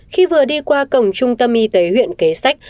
khi vừa đi qua cổng trung tâm y tế huyện kế sách